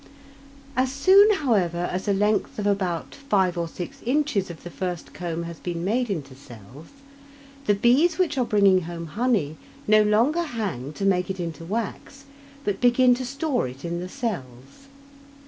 As soon, however, as a length of about five or six inches of the first comb has been made into cells, the bees which are bringing home honey no longer hang to make it into wax, but begin to store it in the cells.